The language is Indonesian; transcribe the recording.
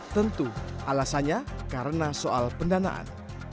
tentu alasannya karena soal pendanaan